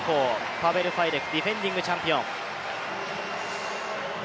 パベル・ファイデク、ディフェンディングチャンピオン。